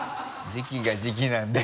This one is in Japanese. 時期が時期なんで。